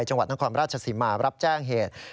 จังหวัดทางความราชสิเมาะรับแจ้งเหตุ